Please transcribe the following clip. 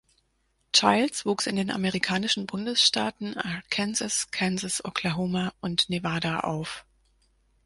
Childs wuchs in den amerikanischen Bundesstaaten Arkansas, Kansas, Oklahoma und Nevada auf.